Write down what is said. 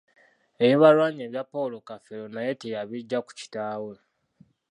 Ebibalwanya ebya Paulo Kafeero naye teyabiggya ku kitaawe.